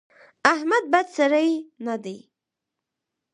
احمد بد سړی نه دی.